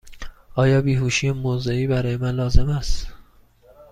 آیا بیهوشی موضعی برای من لازم است؟